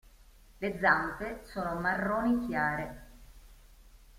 Le zampe sono marroni chiare.